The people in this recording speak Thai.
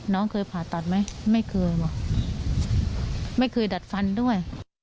น้องเคยผ่าตัดไหมไม่เคยว่ะไม่เคยดัดฟันด้วย